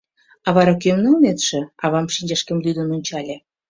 — А вара кӧм налнетше? — авам шинчашкем лӱдын ончале.